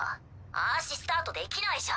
あしスタートできないじゃん。